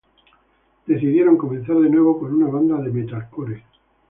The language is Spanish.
Decidieron comenzar de nuevo con una banda de metalcore.